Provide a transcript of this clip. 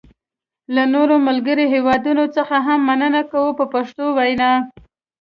له نورو ملګرو هېوادونو څخه هم مننه کوم په پښتو وینا.